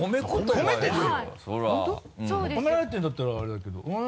褒められてるんだったらあれだけどふん。